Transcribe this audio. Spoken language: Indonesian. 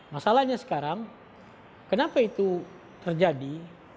masalahnya sekarang kenapa itu terjadi